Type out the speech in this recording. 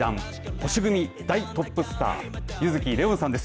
星組、大トップスター柚希礼音さんです。